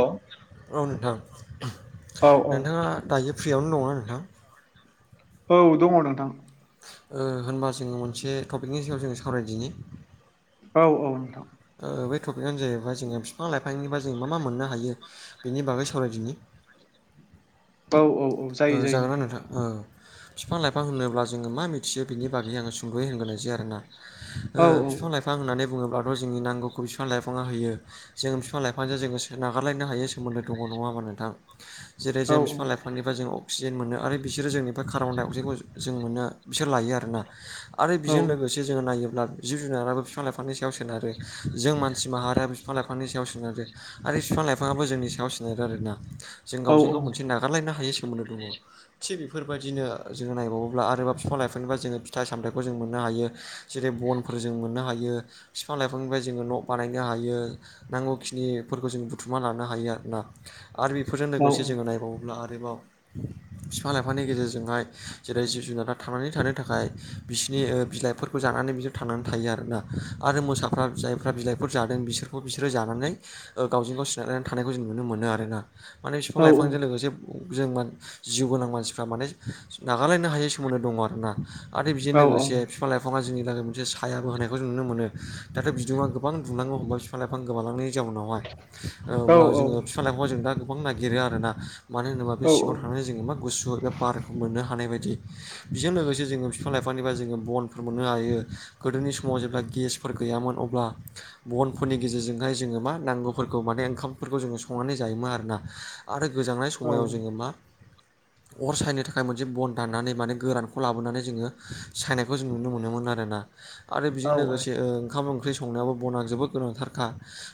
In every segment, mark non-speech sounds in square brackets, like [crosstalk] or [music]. औ औ नोंथां औ नोंथाङा दायो फ्रियावनो दङना नोंथां औ दङ नोंथां होनबा जोङो मोनसे टपिकनि सायाव जोङो सावरायदिनि औ औ नोंथां ओ बे टपिकआनो जाहैबाय जोङो बिफां लाइफांनिबा जों मा मा मोननो हायो बेनि बागै सावरायदिनि औ औ औ जायो जायो जागोन दे नोंथां औ बिफां लाइफां होनोब्ला जोङो मा मिथियो बिनि बागै आङो सुंद'यै होनगोरनोसै आरो ना ओ औ बिफां लाइफां होननानै बुङोब्लाथ' जोंनि नांगौखौ बिफां लाइफाङा होयो जोंङो फिफां लाइफांजों जोङो सो नागारलायनो हायै सोमोन्दो दङ' नङा होमा नोंथां जेरै औ जों फिफां लाइफांनि फ्राय बे जों अक्सिजेन मोनो आरो बिसोरो जोंनिफ्राय कार्बन डाइ अक्साइडखौ जों मोनो बिसोर लायो आरोना आरो औ बेजों लोगोसे जोङो नायोब्ला जिब जुनाराबो फिफां लाइफांनि सायाव सोनारो जों मानसि माहारियाबो फिफां लाइफांनि सायाव सोनारो आरो फिफां लाइफाङाबो जोंनि सायाव सोनारो आरोना जों औ गावजों गाव मोनसे नागारलायनो हायो सो सोमोन्दो दङ' थिग बेफोर बायदिनो जोङो नायबावोब्ला आरोबा बिफां लाइफांनिफाय जोङो फिथाइ सामथाइखौ जों मोननो हायो जेरै बनफोर जों मोननो हायो फिफां लाइफांनिफ्राय जोङो न' बानायनो हायो नांगौखिनिफोरखौ जों बुथुमा लानो हायो आरोना आरो बेफोरजों लोगोसे जोङो नायबावोब्ला आरोबाव फिफां लाइफांनि गेजेरजोंहाय जेरै जिब जुनारा थांनानै थानो थाखाय बिसिनि ओ बिलाइफोर जानानै बिसोर थांनानै थायो आरोना आरो मोसाफ्रा जायफ्रा बिलाइफोर जादों बिसोरखौ बिसोरो जानानै ओ गावजों गाव सिनायनानै थानायखौ जों नुनो मोनो आरोना माने बिफां औ लाइफांजों लोगोसे जों जिउ गोनां मानसिफ्रा माने नागालायनो हायै सोमोन्दो दङ' आरोना आरो बेजों औ लोगोसे फिफां लाइफाङा जोंनि थाखाय मोनसे सायाबो होनायखौ जों नुनो मोनो दाथ' बिदुङा गोबां दुंलांनो हमबाय फिफां लाइफां गोमालांनि जाउनावहाय अब्ला जोङो फिफां लाइफां जों दा गोबां नागिरो आरोना मानो होनोबा बे सिङाव थांनानै जोङो मा गुसु एबा बारखौ मोननो हानाय बायदि बेजों लोगोसे जोङो बिफां लाइफांनिफ्राय जोङो बन फोर मोननो हायो गोदोनि समाव जेब्ला गेसफोर गैयामोन अब्ला बनफोरनि गेजेरजोंहाय जोङो मा नांगौफोरखौ माने ओंखामफोरखौ जोङो संनानै जायोमोन आरोना आरो गोजांनाय समयाव जोङो मा अर सायनो थाखाय मोनसे बन दाननानै माने गोरानखौ लाबोनानै जोङो सायनायखौ जों नुनो मोनोमोन आरोना आरो बेजों लोगोसे ओ ओंखाम ओंख्रि सं संनायावबो बना जोबोद गोनांथारखा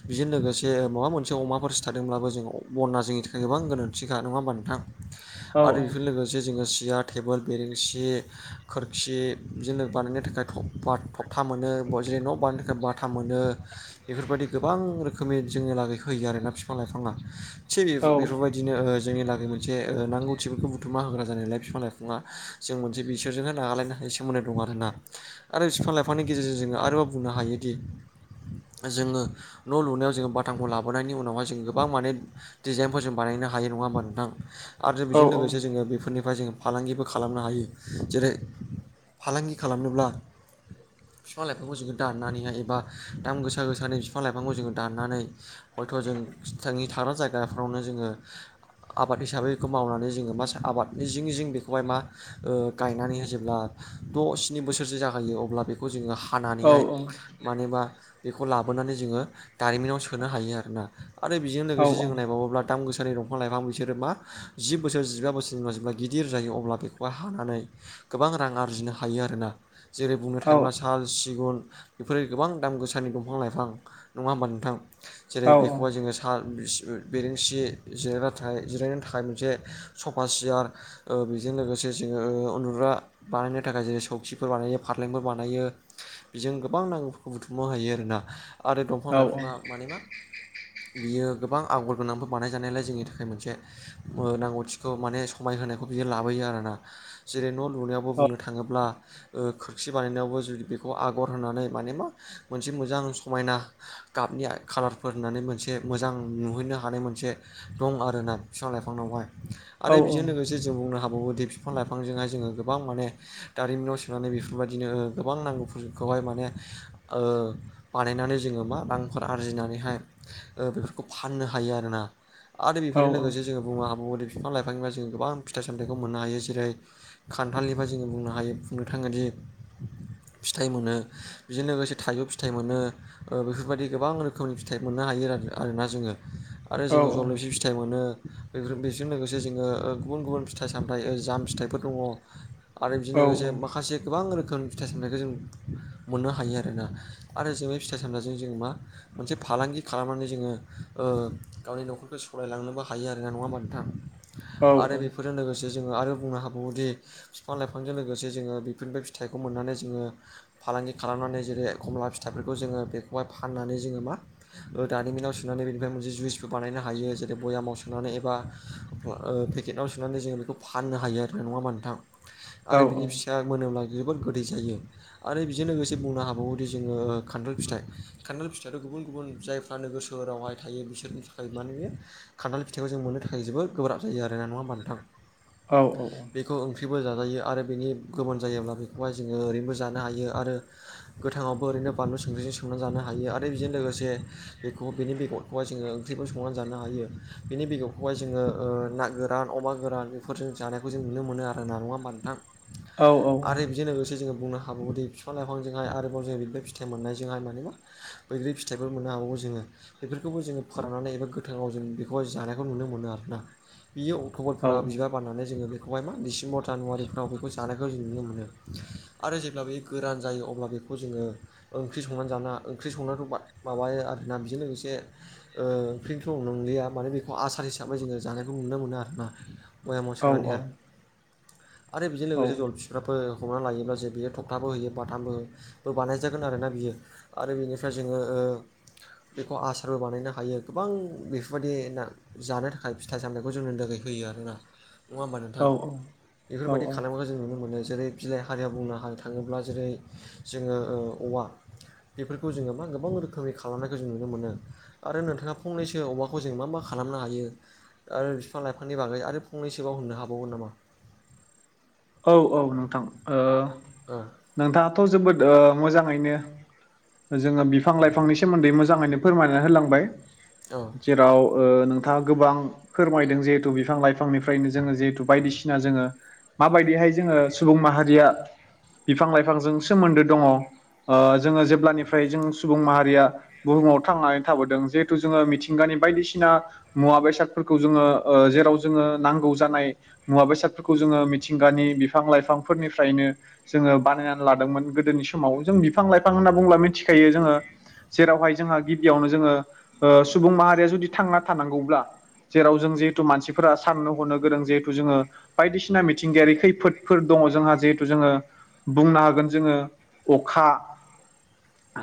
बेजों लोगोसे माबा मोनसे अमाफोर सिथादोंब्लाबो जों बना जोंनि थाखाय गोबां गोनांथिखा नङा होमबा नोंथां आरो बेफोर लोगोसे जोङो सियाथ टेबोल बेरेंसि खोरखि बिदिजों बानायनो थाखाय थफा थखथा मोनो बना जिरायनो न' बानायो थाखाय बा थाम मोनो बेफोर बायदि गोबां रोखोमनि जोंनि लागै होयो आरोना फिफां लाइफाङा थिग बेफो- बेफोर बायदिनो ओ जोंनि लागैमो मोनसे ओ नांगौथिफोरखौ बुथुमा होग्रा जानाय नालाय फिफां लाइफाङा जों मोनसे बिसोरजोंनो नागारलायनो हायि स सोमोन्दो दं आरो ना आरो बिफां लाइफांनि गेजेरजों जोङो आरोबाव बुंनो हायोदि जोङो न' लुनायाव जोङो बाथामखौ लाबोनायनि उनावहाय जों गोबां माने डिजाइनफोरजों बानायनो हायो नङा होमबा नोंथां आरो बेजों लोगोसे जोङो बेफोरनिफ्राय जों फालांगिबो खालामनो हायो जेरै फालांगि खालामनोब्ला फिफां लाइफांखौ जोङो दाननानैहाय एबा दाम गोसा गोसानि बिफां लाइफांखौ जोङो दाननानै हयथ' जों जोंनि थाग्रा जायगाफ्रावनो जोङो आबाद हिसाबै बेखौ मावनानै जोङो मा आबादनि जिं जिं बेखौहाय मा ओ गायनानैहा जेब्ला द' स्नि बोसोरसो जाहैयो अब्ला बेखौ जोङो हानानैहाय माने बा बेखौ लाबोनानै जोङो दारिमिनाव सोनो हायो आरोना आरो बेजों लोगोसे जोङो नायबावोब्ला दाम गोसानि दफां लाइफां ब बिसोरो मा जि बोसोर जिबा बोसोरनि जेब्ला गिदिर जायो अब्ला बेखौहाय हानानै गोबां रां आरजिनो हायो आरोना जेरै बुंनो थाङोब्ला साल सिगुन बेफोरो गोबां दाम गोसानि दंफां लाइफां नङा होमबा नोंथां जेरै बेखौहाय जोङो साल सि बेरेंसि जेरायग्रा थाय जिरायनो थाखाय मोनसे सफा सियार ओ बेजों लोगोसे जोङो ओ उन्दुग्रा बानायनो थाखाय जेरै सौखिफोर बानायो फालेंफोर बानायो बेजों गोबां नांगौफोरखौ बुथुमनो हायो आरोना आरो दंफां लाइफाङा माने मा बियो गोबां आगर गोनांफोर बानायजानायलाय जोंनि थाखाय थाखाय मोनसे नांगौथिखौ माने समाय होनोनायखौ बियो लाबोयो आर ना जेरै न' लुनायावबो बुंनो थाङोब्ला खोरखि बानायनायावबो जुदि बेखौ आगर होनानै माने मा मोनसे मोजां समायना गाबनि खालारफोर होननानै मोनसे मोजां नुहोनो हानाय मोनसे दं आरोना बिफां लाइफांजोंहाय आरो बेजों लोगोसे जे जों बुंनो हाबावोदि बिफां लाइफांजोंहाय जोङो गोबां माने दारिमिनाव सोनानै बेफोरबायदिनो गोबां नांगौफोरखौहाय माने बानायनानै जोङो मा रांफोर आरजिनानैहाय बेफोरखौ फाननो हायो आरोना आरो बेफोरजों लोगोसे जोङो बुनो हाबावोदि बिफां लाइफांनिफ्राय जों गोबां फिथाइ सामथायखौ मोननो हायो जेरै खान्थाालबा जोङो बुंनो हायो बुंनो थाङोदि फिथाइ मोनो बिजों लोगोसे थाइजौ फिथाइ मोनो बेफोरबायदि गोबां रोखोमनि फिथाइ मोननो हायो आरोना जोङो आरो जोङो जि फिथाइ मोनो बेफोर बेजों लोगोसे जोङो गुबुन गुबुन फिथाइ सामथाय जाम फिथाइफोर दङ आरो बिजों लोगोसे माखासे गोबां रोखोम फिथाइ सामनायखौ जों मोननो हायो आरोना आरो जों बे फिथाइ सामनायजों जों मा मोनसे फालांगि खालामनानै जोङो गावनि न'खरखौ सालायलांनोबो हायो आरोना नङा होमा नोंथां आरो बेफोरजों लोगोसे जोङो आरो बुंनो हाबावोदि बिफां लाइफांजों लोगोसे जोङो बेफोरबो फिथाइखौ मोननानै जोङो फालांगि खालामनानै जेरै खमला फिथाइफोरखौ जोङो बेखौहाय फाननानै जोङो मा दानिमनाव सुनानै बेनिफ्राय मोनसे जुइसबो बानायनो हायो हायो जेरै भयामाव सोनानै एबा पेकेटआव सोनानै जोङो बेखौ फाननो हायो आरोना नङा होनबा नोंथां आरो बिनि फिसाया मोनोब्ला जोबोद गोदै जायो आरो बेजों लोगोसे बुंनो हाबावोदि जोङो खान्थाल फिथाइ खान्थाल फिथाइयाथ गुबुन गुबुन जायफ्रा नोगोर सोरावहाय थायो बिसोरनि थाखाय माने बे खान्थाल फिथाइखौ जों मोननो थाखाय जोबोद गोब्राब जायो आरो ना नङा होनबा नोंथां औ औ औ बेखौ ओंख्रिबो जाजायो आरो बेनि गोमोन जायोब्ला बेखौहाय जोङो ओरैनोबो जानो हायो आरो गोथाङावबो ओरैनो बानलु संख्रिजों संनानै जानो हायो आरो बेजों लोगोसे बेखौ बेनि बेगरखौहाय जोङो ओंख्रिबो संनानै जानो हायो बेनि बेगरखौहाय जोङो ना गोरान अमा गोरान फोरजों जानायखौ जों नुनो मोनो आरो ना नङा होनबा नोंथां आरो बेजों लोगोसे जोङो बुंनो ह हाबावोदि बिफां लाइफांजोंहाय आरोबाव जों बिदिनो फिथाइ मोननायजोंहाय मानबा बैग्रि फिथाइफोर मोननो हाबावो जोङो बेफोरखौबो जोङो खारनै एबा गोथाङाव जों बेखौहाय जानायखौ नुनो मोनो आरोना बियो अक्टबरफोराव बिबार बारनानै जोङो बेखौहाय मा डिसेम्बर जानुवारिफ्राव बेखौ जानायखौ जों नुनो मोनो आरो जेब्ला बे गोरान जायो अब्ला बेखौ जोङो ओंख्रि संनानै जाना ओंख्रि संनायाथ‌ माबायो आरो ना बेजों लोगोसे ओंख्रिथ नंलिया माने बेखौ आसार हिसाबै जोङो जानायखौ नुनो मोनो आरोना भयामाव सोनानै हाय आरो औ बेजों औ लोगोसे औ जलफि बिबो हमना लायोब्ला जे बियो थखथाबो होयो बाथामबो होयो बानायजागोन आरोना बियो आरो बेनिफ्राय जोङो बेखौ आसारबो बानायनो हायो हायो गोबां बेफोरबायदि ना जानो थाखाय फिथाइ सामनायखौ जोंनो दगै होयो आरोना नङा होमबा औ नोंथां औ बेफोरबायदि खालामनायखौ जों नुनो मोनो जेरै बिलाइ हारिया बुंनो थाङोब्ला जेरै जोङो औवा बेफोरखौ जोङो मा गोबां रोखोमनि खालामनायखौ जों नुनो मोनो आरो नोंथाङा फंनैसो अमाखौ जों मा मा खालामनो हायो आरो बिफां लाइफांनि बागै आरो फंनैसोबाव होननो हाबावगोन नामा औ औ नोंथां ओ औ नोंथाङाथ जोबोद मोजाङैनो जोङो बिफां बिफां लाइफांनि सोमोन्दै मोजाङैनो फोरमायना होलांबाय औ जेराव नोंथाङा गोबां फोरमायदों जिहेथु बिफां लाइफां निफ्रायनो जोङो जिहेथु बायदिसिना जोङो माबायदिहाय जोङो सुबुं माहारिया बिफां लाइफांजों सोमोन्दो दङ जोङो जेब्लानिफ्राय जों सुबुं माहारिया बुहुमाव थांनानै थाबोदों जिहेथु जोङो मिथिंगानि बायदिसिना मुवा बेसादफोरखौ जोङो ओ जेराव जोङो नांगौ जानाय मुवा बेसादफोरखौ जोङो मिथिंगानि बिफां लाइफांफोरनिफ्रायनो जोङो बानायनानै लादोंमोन गोदोनि समाव जों बिफां लाइफां होनना बुङोब्ला मिथिखायो जोङो जेरावहाय जोंहा गिबियावनो जोङो सुबुं माहारिया जुदि थांना थानांगौब्ला जेराव जों जिहेतु मानसिफोरा साननो हरनो गोरों जहेतु जोङो बायदिसिना मिथिंगायारि खैफोदफोर दङ जोंहा जिहेथु जोङो बुंनो हागोन जोङो अखा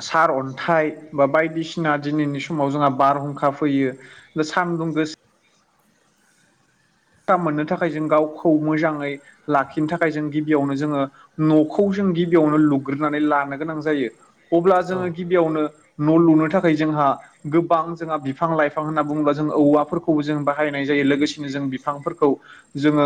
सार अन्थाइ बा बायदिसिना दिनैनि समाव जोंहा बारहुंखा फैयो सान्दुं गोसा मोननो थाखाय जों गावखौ मोजाङै लाखिनो थाखाय जों गिबियावनो जोङो न'खौ जों गिबियावनो लुग्रोनानै लानो गोनां जायो अब्ला जोङो औ गि गिबियावनो न' लुनो थाखाय जोंहा गोबां जोंहा बिफां लाइफां होनना बुङोबा जों औवाफोरखौ खौबो जों बाहायनाय जायो लोगोसेनो जों बिफांफोरखौ जोङो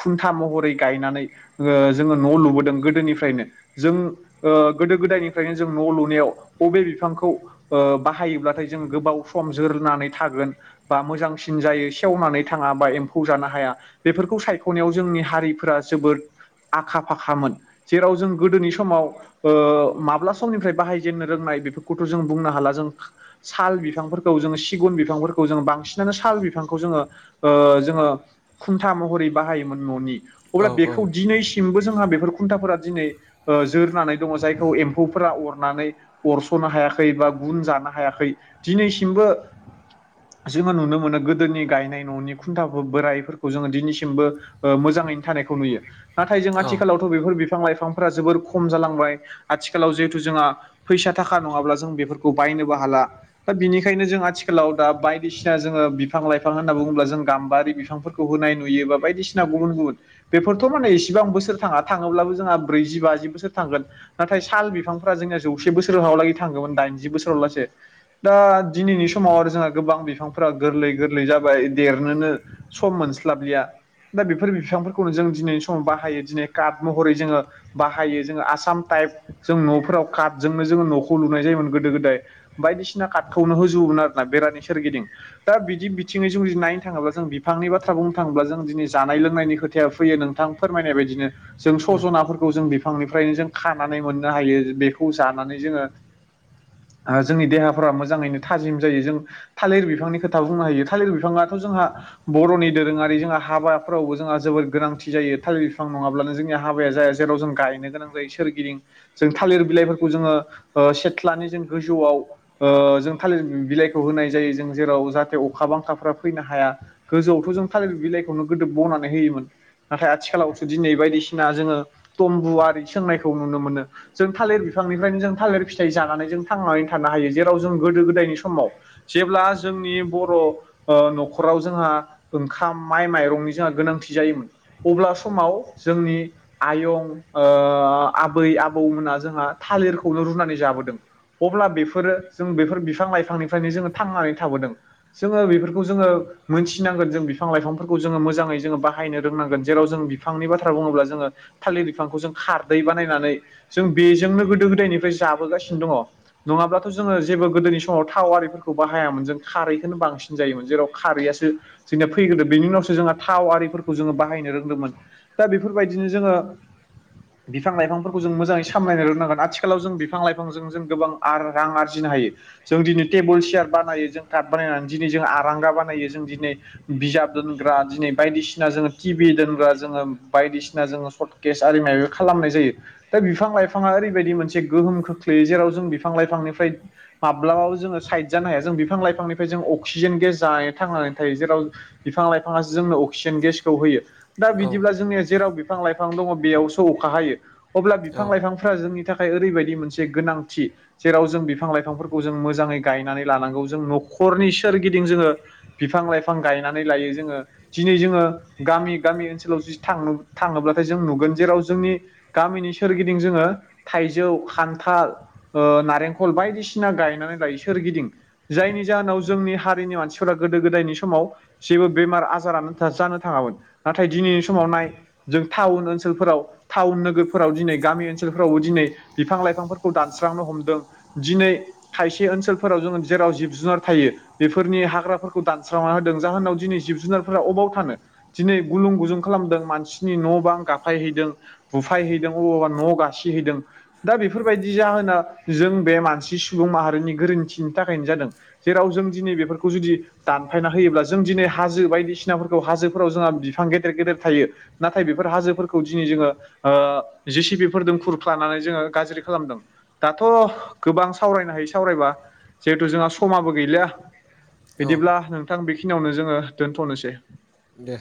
खुन्था महरै गायनानै ओ जोङो न' लुबोदों गोदोनिफ्रायनो जों ओ गोदो गोदायनिफ्रायनो जों न' लुनायाव अबे बिफांखौ ओ बाहायोब्लाथाय जों गोबाव सम जोरनानै थागोन बा मोजांसिन जायो सेवनानै थाङा बा खौ जानो हाया बेफोरखौ सायख'नायाव जोंनि हारिफोरा जोबोद आखा फाखामोन जेराव जों गोदोनि समाव ओ माब्ला समनिफ्राय बाहायजेननो रोंनाय बेफोरखौथ' जों बुंनो हाला जों साल बिफांफोरखौ जोङो सिगुन बिफांफोरखौ जों बांसिनानो साल बिफांखौ जोङो जोङो खुन्था महरै बाहायोमोन न'नि औ अब्ला बेखौ दिनै मबो जोंहा बेफोर खुन्थाफोरा दिनै ओ जोरनानै दङ जायखौ एम्फौफोरा अरनानै अरस'नो हायाखै बा गुन जानो हायाखै दिनैसिमबो जोङो नुनो मोनो गोदोनि गायनाय न'निखौ खुन्था बोराइफोरखौ जोङो दिनैसिमबो मोजाङैनो थानायखौ नुयो नाथाय जों औ आथिखालाव थ' बेफोर बिफां लाइफांफोरा जोबोर खम जालांबाय आथिखालाव जिहेथु जोंहा फैसा थाखा नङाब्ला जों बेफोरखौ बायनोबो हाला दा बिनिखायनो जों आथिखालाव दा बायदिसिना जोङो बिफां लाइफां होन्ना बुङोबा जों गाम्बारि बिफांफोरखौ होनाय नुयोबा बायदिसिना गुबुन गुबुन बेफोरथ' माने इसेबां बोसोर थाङा थाङोब्लाबो जोंहा ब्रैजि बाजि बोसोर थांगोन नाथाय साल बिफांफोरा जोंनिया जौसे बोसोर हालागै थांडो़मोन दाइनजि बोसोराव लासे दा दिनैनि समाव आरो जोंहा गोबां बिफांफोरा गोरलै गोरलै जाबाय देर नो सम मोनस्लाबलिया दा बेफोर बिफांफोरखौनो जों दिनैनि समाव बाहायो दिनै कात महरै जोङो बाहायो जोङो आसाम टाइप जों न'फोराव काटजोंनो जोङो न'खौ लुनाय जायोमोन गोदो गोदाय बायदिसिना कटखौनो होजोबोमोन आरोना बेरानि सोरगिदिं दा बिदि बिथिङै जों नायनो थाङोबा जों बिफांनि बाथ्रा बुंनो थाङोब्ला जों दिनै जानाय लोंनायनि खोथाया फैयो नोंथां फोरमायनाय बायदिनो जों उम सजनाफोरखौ जों बिफांनिफ्रायनो जों खानानै मोननो हायो बेखौ जानानै जोङो जोंनि देहाफोरा मोजाङैनो थाजिम जायो जों थालिर बिफांनि खोथा बुंनो हायो थालिर बिफाङाथ' जोंहा बर'नि दोरोङारि जोंहा हाबाफोरावबो जोंहा जोबोर गोनांथि जायो थालिर बिफां नङाब्लानो जोंनि हाबाया जाया जेराव जों गायनो गोनां जायो सोरगिदिं जों थालिर बिलाइफोरखौ जोङो सेथ्लानि जों गोजौआव जों थालिर बिलाइखौ होनाय जायो जों जेराव जाहाथे अखा बांखाफ्रा फैनो हाया गोजौआवथ' जों थालिर बिलाइखौनो गोदो बनानै होयोमोन नाथाय आथिखालावसो दिनै बायदिसिना जोङो तम्बुआरि सोंनायखौ नुनो मोनो जों थालिर बिफांनिफ्रायनो जों थालिर फिथाइ जानानै जों थांनानै थानो हायो जेराव जों गोदो गोदायनि समाव जेब्ला जोंनि बर' ओ न'खराव जोंहा ओंखाम माइ माइरंनि जोंहा गोनांथि जायोमोन अब्ला समाव जोंनि आयं आबै आबौमोना जोंहा थालिरखौनो रुनानै जाबोदों अब्ला बेफोरो जों बेफोर बिफां लाइफांनिफ्रायनो जोङो थांनानै थाबोदों जोङो बेफोर खौ जोङो मोनथिनांगोन जों बिफां लाइफांफोरखौ जोङो मोजाङै जोङो बाहायनो रोंनांगोन जेराव जों बिफांनि बाथ्रा बुङोब्ला जोङो थालिर बिफांखौ जों खारदै बानायनानै जों बेजोंनो गोदो गोदायनिफ्राय जाबोगासिनो दङ नङाब्लाथ' जोङो जेबो गोदोनि समाव थाव आरिफोरखौ बाहायामोन जों खारैखौनो बांसिन जायोमोन जेराव खारैयासो जोंया फैग्रोदो बेनि उनावसो जोंहा थाव आरिफोरखौ जोङो बाहायनो रोंदोंमोन दा बेफोरबायदिनो जोङो [inaudible] बिफां लाइफांफोरखौ जों मोजाङै सामलायनो रोंनोंगोन आथिखालाव जों बिफां लाइफांजों जों गोबां रां आर आरजिनो हायो जों दिनै टेबोल सियार बानायो जों कार्ड बानायनानै दिनै जों आरांगा बानायो जों दिनै बिजाब दोनग्रा दिनै बायदिसिना जोङो टि भि दोनग्रा जोङो बायदिसिना जोङो सट केस आरिमायाबो [unintelligible] खालामनाय जायो दा बिफां लाइफाङा ओरैबायदि मोनसे गोहोम खोख्लैयो जेराव जों बिफां लाइफांनिफ्राय माब्लाबाबो जोङो साइड जानो हाया जों बिफां लाइफांनिफ्राय जों अक अक्सिजेन गेस जानाय थांनानै थायो जेराव बिफां लाइफाङासो जोंनो अक्सिजेन गेसखौ होयो दा औ बिदिब्ला जोंनिया जेराव बिफां लाइफां दङ बेयावसो अखा हायो अब्ला बिफां औ लाइफां फ्रा जोंनि थाखाय ओरैबायदि मोनसे गोनांथि जेराव जों बिफां लाइफांफोरखौ जों मोजाङै गायनानै लानांगौ जों न'खरनि सोरगिदिं जोङो बिफां लाइफां गायनानै लायो जोङो दिनै जोङो गामि गामि ओनसोलाव जुदि थाडो़ थाङोब्लाथाय जों नुगोन जेराव जोंनि गामिनि सोरगिदिं जोङो थाइजौ खान्थाल ओ नारेंखल बायदिसिना गायनानै दायो सोरगिदिं जायनि जाहोनाव जोंनि हारिनि मानसिफोरा गोदो गोदायनि समाव जेबो बेमार आजारानो जानो थाङामोन नाथाय दिनैनि समाव नाय जों टाउन ओनसोलफोराव टाउन नोगोरफोराव दिनै गामि ओनसोलफोरावबो दिनै बिफां लाइफांफोरखौ दानस्रांनो हमदों दिनै खायसे ओनसोलफोराव जोङो जेराव जिब जुनार थायो बेफोरनि हाग्राफोरखौ दानस्रांना होदों जाहोनाव दिनै जिब जुनारफोरा अबाव थानो दिनै गुलुं गुलुं खालामदों मानसिनि न' बां गाफायहैदों बुफाय हैैदों अबावबा न' गासिहैदों दा बेफोरबायदि जाहोना जों बे मानसि सुबुं माहारिनि गोरोन्थिनि थाखायनो जादों जेराव जों दिनै बेफोरखौ जुदि दानफायना होयोब्ला जों दिनै हाजो बायदिसिनाफोरखौ हाजोफोराव जोंहा बिफां गेदेर गेदेर थायो नाथाय बेफोर हाजोफोरखौ दिनै जोङो ओ जिसिबिफोरदों खुरख्लानानै जोङो गाज्रि खालामदों दाथ' गोबां सावरायनो हायो सावरायबा जिहेथु जोंहा समाबो गैलिया औ बिदिब्ला नोंथां बेखिनियावनो जोङो दोन्थ'नोसै दे